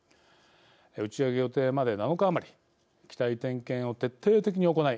打ち上げ予定まで７日余り機体点検を徹底的に行い